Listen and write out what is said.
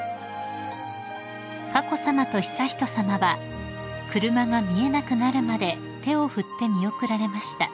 ［佳子さまと悠仁さまは車が見えなくなるまで手を振って見送られました］